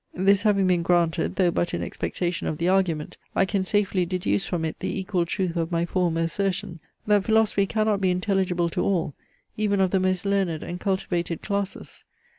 This having been granted, though but in expectation of the argument, I can safely deduce from it the equal truth of my former assertion, that philosophy cannot be intelligible to all, even of the most learned and cultivated classes.